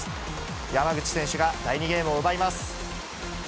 山口選手が第２ゲームを奪います。